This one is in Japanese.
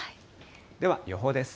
では予報です。